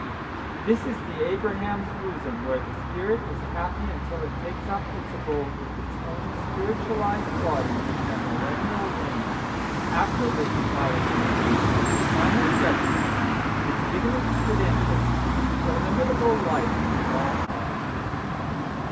This is the Abraham's bosom where the spirit is happy until it takes up its abode with its own spiritualized body in a millennial reign, after which, by a decree of the Final Judgment, it is given its credentials to the illimitable life of all Heaven.